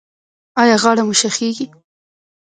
ایا غاړه مو شخیږي؟